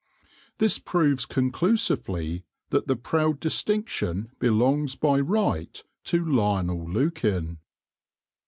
This proves conclusively that the proud distinction belongs by right to Lionel Lukin.